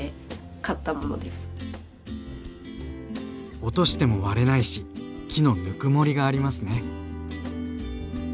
落としても割れないし木のぬくもりがありますね。